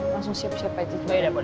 langsung siap siap aja